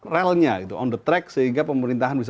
relnya on the track sehingga pemerintahan